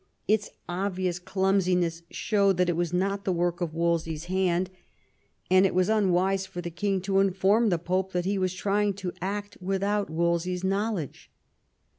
Its obvious clumsiness showed that it was not the work of Wolse/s hand; and it was unwise for the king to inform the Pope that he was trying to act without Wolsey's knowledge.